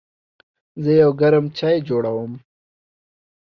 زه یو ګرم چای جوړوم.